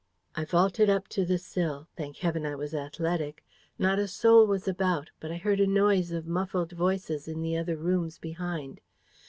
"I vaulted up to the sill. Thank heaven, I was athletic. Not a soul was about: but I heard a noise of muffled voices in the other rooms behind.